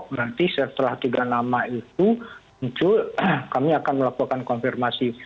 nah itu yang sedang kami godok nanti setelah tiga nama itu muncul kami akan melakukan konfirmasi